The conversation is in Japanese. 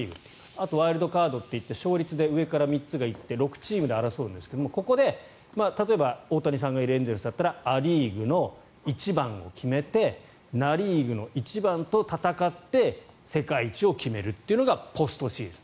あとワイルドカードといって勝率で上から３つが行って６チームで争うんですがここで例えば、大谷さんがいるエンゼルスだったらア・リーグの１番を決めてナ・リーグの１番と戦って世界１を決めるというのがポストシーズン。